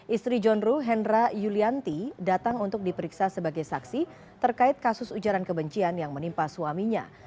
istri john ruh hendra yulianti datang untuk diperiksa sebagai saksi terkait kasus ujaran kebencian yang menimpa suaminya